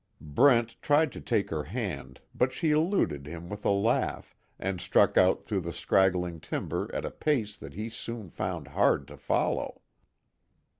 Brent tried to take her hand, but she eluded him with a laugh, and struck out through the scraggling timber at a pace that he soon found hard to follow.